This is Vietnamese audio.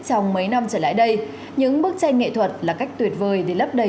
trong mấy năm trở lại đây những bức tranh nghệ thuật là cách tuyệt vời để lấp đầy